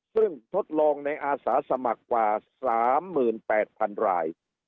ซึ่งทดลองในอาสาสมัครกว่า๓๘๐๐๐ราย